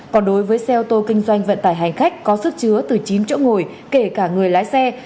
còn đối với xe ô tô kinh doanh vận tải hành khách có sức chứa từ chín chỗ ngồi kể cả người lái xe